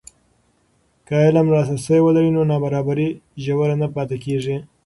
که علم لاسرسی ولري، نابرابري ژوره نه پاتې کېږي.